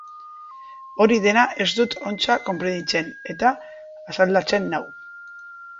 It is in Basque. Hori dena ez dut ontsa konprenitzen, eta asaldatzen nau.